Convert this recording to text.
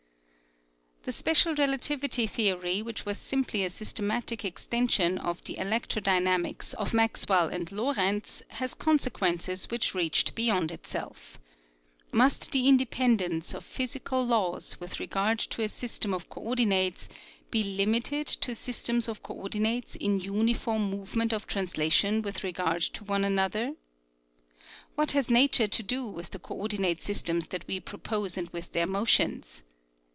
The special relativity theory which was simply a systematic extension of the electro dynamics of Maxwell and Lorentz, had conse quences which reached beyond itself. Must the independence of physical laws with regard to a system of coordinates be limited to sys tems of coordinates in uniform movement of translation with regard to one another? What has nature to do with the coordinate systems that we propose and with their motions